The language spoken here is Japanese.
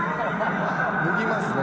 脱ぎますね。